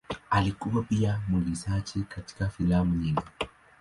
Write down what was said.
Alikuwa pia mwigizaji katika filamu nyingi.